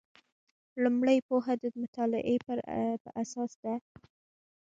لومړۍ پوهه د مطالعې په اساس ده.